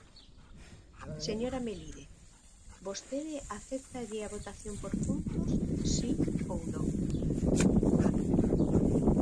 Señora Melide, ¿vostede acéptalle a votación por puntos, si ou non?